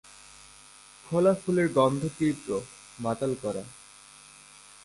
খোলা ফুলের গন্ধ তীব্র, মাতাল করা।